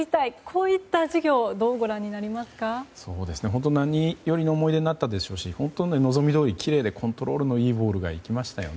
こういった事業を何よりの思い出になったでしょうし望みどおり、きれいでコントロールのいいボールでした。